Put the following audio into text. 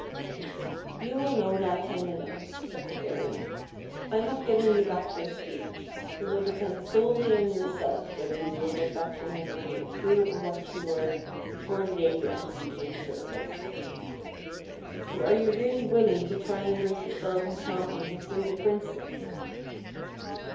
" You will know that time enough," said the fairy. " I have given you back your speech. It will depend solely on yourself whether you will get back your memory of who and what you were before the day you entered the king's service. But are you really willing to try and break the spell of enchantment and free the princess?